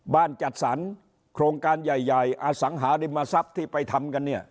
จัดสรรโครงการใหญ่อสังหาริมทรัพย์ที่ไปทำกันเนี่ย